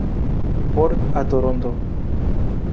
Ford a Toronto.